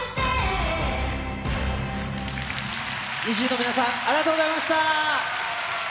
ＮｉｚｉＵの皆さん、ありがとうございました。